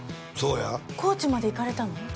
そうや高知まで行かれたの？